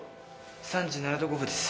３７度５分です。